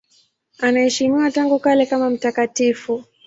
Anaheshimiwa tangu kale kama mtakatifu.